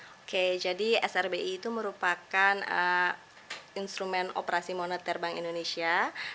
oke jadi srbi itu merupakan instrumen operasi moneter bank indonesia